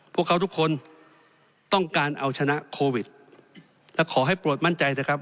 พวกเขาทุกคนต้องการเอาชนะโควิดและขอให้โปรดมั่นใจนะครับ